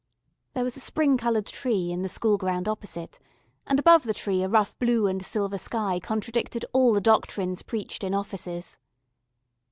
There was a spring coloured tree in the school ground opposite, and above the tree a rough blue and silver sky contradicted all the doctrines preached in offices.